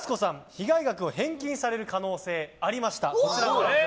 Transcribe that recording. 被害額を返金される可能性がありました。